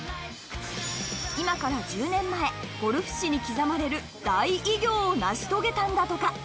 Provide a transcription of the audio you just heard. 今から１０年前ゴルフ史に刻まれる大偉業を成し遂げたんだとか